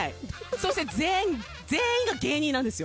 そして全員が芸人なんですよ。